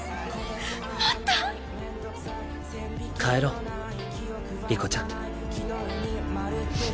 帰ろう理子ちゃん。